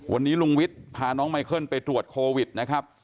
วันนี้ลุงวิทย์พาน้องไมเคิลไปตรวจโควิดนะครับ